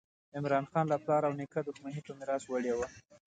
عمراخان له پلار او نیکه دښمني په میراث وړې وه.